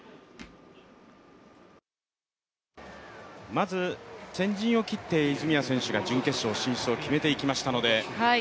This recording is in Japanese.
まず先陣を切って泉谷選手が準決勝進出を決めていきましたので。